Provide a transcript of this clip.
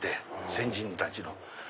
先人たちの。